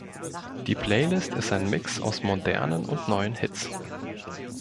Die Playlist ist ein Mix aus modernen und neuen Hits.